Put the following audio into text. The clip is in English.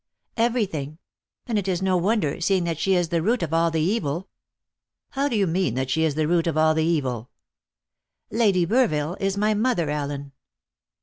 "Everything. And it is no wonder, seeing that she is the root of all the evil." "How do you mean that she is the root of all the evil?" "Lady Burville is my mother, Allen."